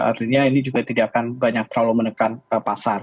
artinya ini juga tidak akan banyak terlalu menekan pasar